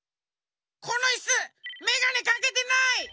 このイスメガネかけてない！